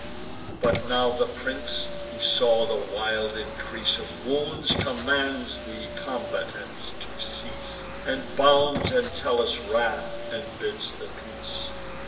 But now the prince, who saw the wild increase Of wounds, commands the combatants to cease, And bounds Entellus' wrath, and bids the peace.